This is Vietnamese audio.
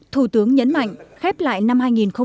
thủ tướng nhấn mạnh khép lại năm hai nghìn hai mươi